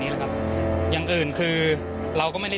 มีความรู้สึกว่าเสียใจ